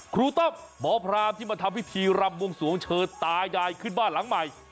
ครูตอบหมอพราหมณ์ที่มาทำพิธีรัมณ์วงสวงเฉอตายดายขึ้นบ้านหลังใหม่